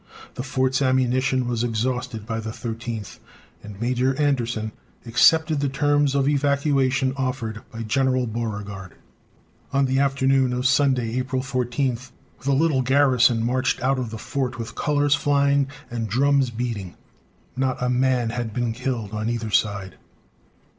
The fort's ammunition was exhausted by the 13th, and Major Anderson accepted the terms of evacuation offered by General Beauregard. On the afternoon of Sunday, April 14, the little garrison marched out of the fort with colors flying and drums beating. Not a man had been killed on either side.